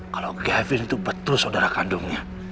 kalau gafin itu betul saudara kandungnya